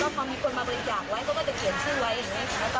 แล้วก็พอมีคนมาบริการไว้ก็จะเขียนชื่อไว้อย่างนั้นค่ะ